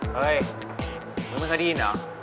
เฮ้ยมึงไม่เคยได้ยินเหรอ